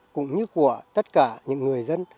cũng như của tất cả những người dân